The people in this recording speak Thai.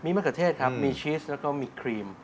มะเขือเทศครับมีชีสแล้วก็มีครีม